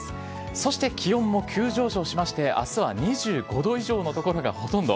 そして、気温も急上昇しまして、あすは２５度以上の所がほとんど。